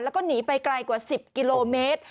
แล้วก็หนีไปไกลกว่า๑๐กิโลเมตร